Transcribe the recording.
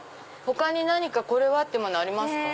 他に何かこれは！ってものありますか？